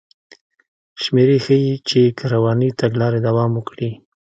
شمېرې ښيي چې که روانې تګلارې دوام وکړي